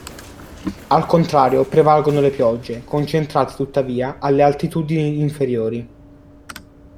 Al contrario, prevalgono le piogge, concentrate tuttavia alle altitudini inferiori.